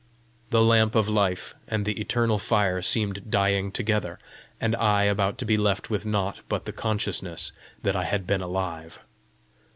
The lamp of life and the eternal fire seemed dying together, and I about to be left with naught but the consciousness that I had been alive.